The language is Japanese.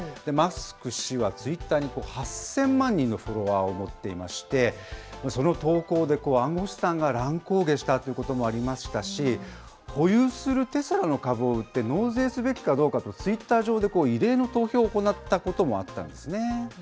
マスク氏はツイッターに８０００万人のフォロワーを持っていまして、その投稿で暗号資産が乱高下したということもありましたし、保有するテスラの株を売って納税すべきかどうかとツイッター上で異例の投票を行ったこともあったんですね。